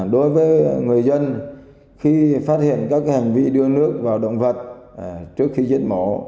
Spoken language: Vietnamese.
đối với người dân khi phát hiện các hành vi đưa nước vào động vật trước khi giết mổ